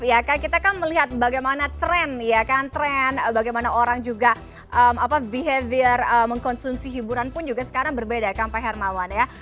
ya kan kita kan melihat bagaimana tren ya kan tren bagaimana orang juga behavior mengkonsumsi hiburan pun juga sekarang berbeda kan pak hermawan ya